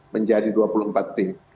menjadi dua puluh empat tim